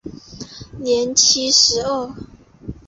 年七十二。